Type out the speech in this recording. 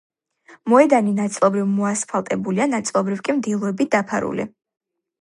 მოედანი ნაწილობრივ მოასფალტებულია, ნაწილობრივ კი მდელოებით დაფარული.